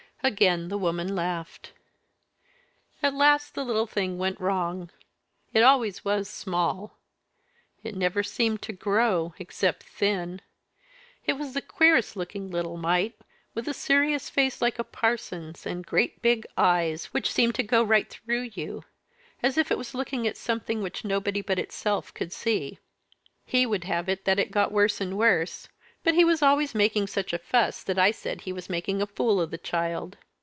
Again the woman laughed. "At last the little thing went wrong. It always was small; it never seemed to grow except thin. It was the queerest looking little mite, with a serious face like a parson's, and great big eyes which seemed to go right through you, as if it was looking at something which nobody but itself could see. He would have it that it got worse and worse, but he was always making such a fuss that I said he was making a fool of the child.